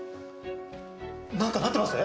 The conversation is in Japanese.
何かなってます？